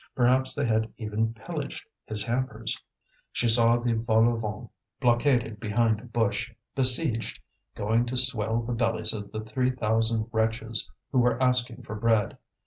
Perhaps they had even pillaged his hampers. She saw the vol au vent blockaded behind a bush, besieged, going to swell the bellies of the three thousand wretches who were asking for bread.